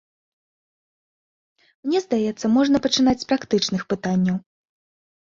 Мне здаецца, можна пачынаць з практычных пытанняў.